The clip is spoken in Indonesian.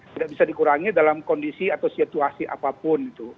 tidak bisa dikurangi dalam kondisi atau situasi apapun